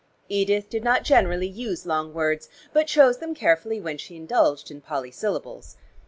Edith did not generally use long words, but chose them carefully when she indulged in polysyllables.